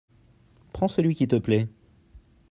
Prends celui qui te plaît.